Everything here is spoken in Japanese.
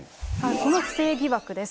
この不正疑惑です。